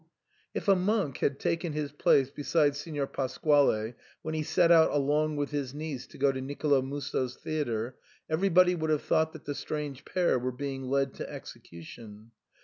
If a monk had taken his place beside Signor Pas quale when he set out along with his niece to go to Nicolo Musso's theatre, everybody would have thought that the strange pair were being led to execution.